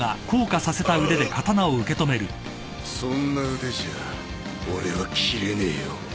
そんな腕じゃ俺は斬れねえよ。